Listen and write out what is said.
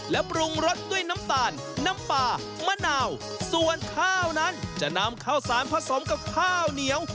และปรุงรสด้วยน้ำตาลน้ำปลามะนาวส่วนข้าวนั้นจะนำข้าวสารผสมกับข้าวเหนียว